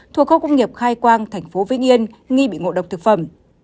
thuộc khu công nghiệp khai quang tp vĩnh yên nghi bị ngộ độc thực phẩm